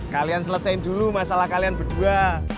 kalian selesaikan dulu masalah kalian berdua